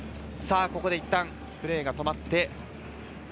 ここでいったんプレーが止まって。